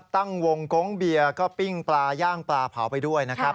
ตั้งวงโก๊งเบียร์ก็ปิ้งปลาย่างปลาเผาไปด้วยนะครับ